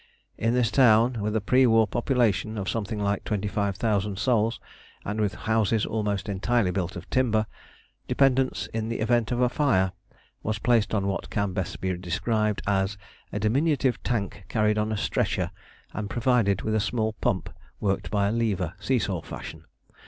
In this town, with a pre war population of something like 25,000 souls, and with houses almost entirely built of timber, dependence in the event of a fire was placed on what can best be described as a diminutive tank carried on a stretcher, and provided with a small pump worked by a lever, seesaw fashion.